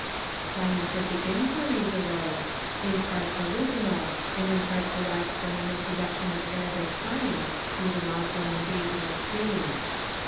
Scientific inquiries arose, in part original, and in part de rived from the introduction of Arabic science through the Moslem invasion of Spain.